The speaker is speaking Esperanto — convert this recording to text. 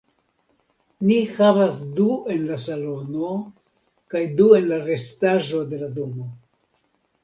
Ni havas du en la salono kaj du en la restaĵo de la domo.